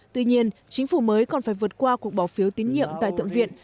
tuy nhiên chính phủ mới còn phải vượt qua cuộc bỏ phiếu tín nhiệm tại tượng viện